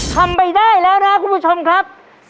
ทำไปได้แล้วนะครับคุณผู้ชมครับ